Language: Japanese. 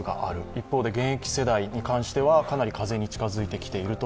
一方で現役世代に対しては風邪に近づいてきている。